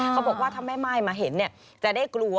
เขาบอกว่าถ้าแม่ม่ายมาเห็นจะได้กลัว